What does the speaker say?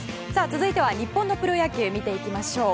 続いては、日本のプロ野球を見ていきましょう。